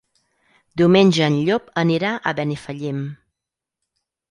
Diumenge en Llop anirà a Benifallim.